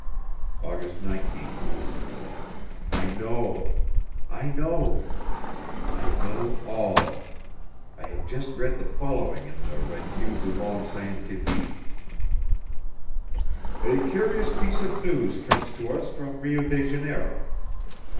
August 19th. I know, ... I know ... I know all! I have just read the following in the Revue du Monde Scientifique: "A curious piece of news comes to us from Rio de Janeiro.